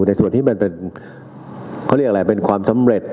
ในส่วนที่มันเป็นเขาเรียกอะไรเป็นความสำเร็จ